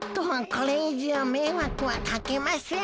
これいじょうめいわくはかけません。